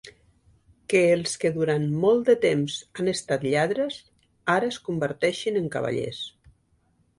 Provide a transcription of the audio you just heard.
Que els que durant molt de temps han estat lladres, ara es converteixin en cavallers.